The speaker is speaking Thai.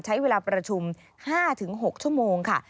ใช้เวลาประชุม๕๖ชั่วโมงค่ะ